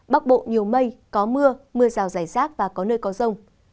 bắc bộ nhiều mây có mưa mưa rào rải rác và có nơi có rông